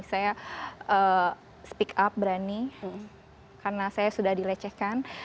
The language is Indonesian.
saya speak up berani karena saya sudah dilecehkan